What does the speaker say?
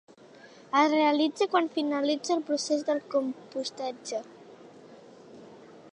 Es realitza quan finalitza el procés de compostatge.